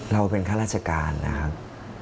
เราเป็นข้าราชการนะครับ